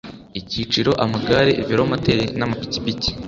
Icyiciro Amagare Velomoteri n Amapikipiki